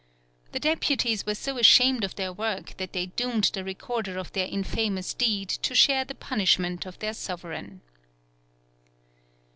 The deputies were so ashamed of their work that they doomed the recorder of their infamous deed to share the punishment of their sovereign.